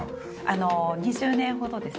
あの２０年ほどですね